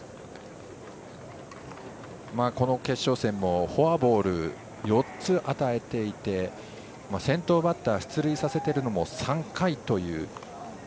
この決勝戦もフォアボールを４つ与えていて先頭バッター出塁させているのも３回という。